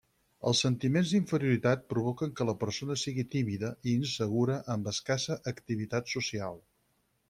Els sentiments d’inferioritat provoquen que la persona sigui tímida i insegura amb escassa activitat social.